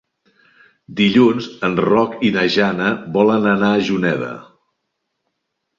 Dilluns en Roc i na Jana volen anar a Juneda.